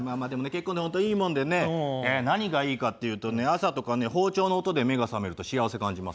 結婚って本当いいもんでね何がいいかっていうとね朝とかね包丁の音で目が覚めると幸せ感じますよ。